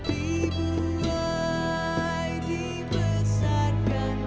dibuai dibesarkan kental